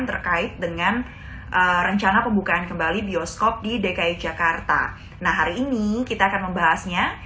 terkait dengan rencana pembukaan kembali bioskop di dki jakarta nah hari ini kita akan membahasnya